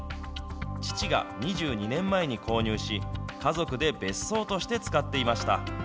父が２２年前に購入し、家族で別荘として使っていました。